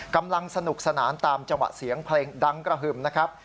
กำลังสนุกสนานตามจังหวะเสียงเพลงดังกระหึ่มนะครับ